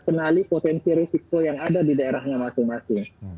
kenali potensi risiko yang ada di daerahnya masing masing